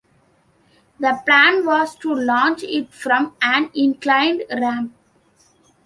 The plan was to launch it from an inclined ramp.